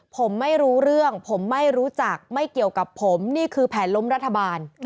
ผมไม่รู้เรื่องผมไม่รู้จักไม่เกี่ยวกับผมนี่คือแผนล้มรัฐบาล